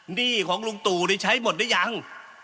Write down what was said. หนี้ของลุงตู่นี่ใช้หมดหรือยัง